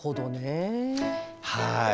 はい。